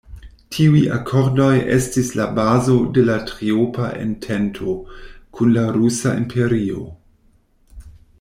Tiuj akordoj estis la bazo de la "Triopa Entento" kun la Rusa Imperio.